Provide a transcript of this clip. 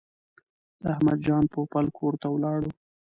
د احمد جان پوپل کور ته ولاړو.